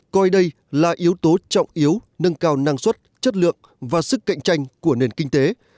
coi đây là yếu tố trọng yếu nâng cao năng suất chất lượng và sức cạnh tranh của nền kinh tế